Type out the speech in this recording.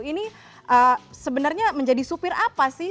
ini sebenarnya menjadi supir apa sih